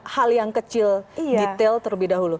hal yang kecil detail terlebih dahulu